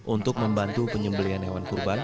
untuk membantu penyembelian hewan kurban